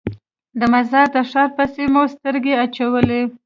د مزار د ښار پسې مو سترګې اچولې.